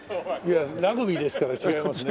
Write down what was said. ラグビーですから違いますね。